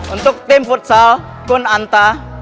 untuk tim futsal kun anta